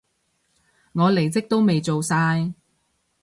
我離職都未做晒